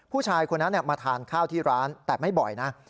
ผู้ชายคนนั้นมาทานข้าวที่ร้านแต่ไม่บ่อยนะ